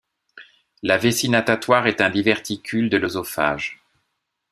La vessie natatoire est un diverticule de l'œsophage.